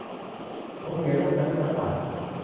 ผมเขียนเรื่องคณิตศาสตร์